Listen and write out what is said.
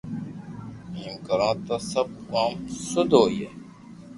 ايم ڪرو تو سب ڪوم سود ھوئي